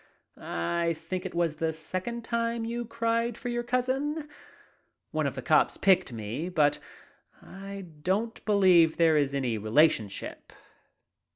I think it was the second time you cried for your cousin. One of the cops picked me, but I don't believe there is any relationship."